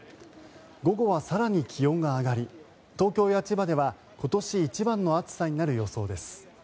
午後は更に気温が上がり東京や千葉では今年一番の暑さになる予想です。